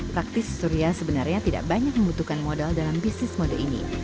praktis surya sebenarnya tidak banyak membutuhkan modal dalam bisnis mode ini